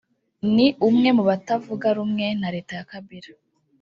ni umwe mu batavuga rumwe na Leta ya Kabila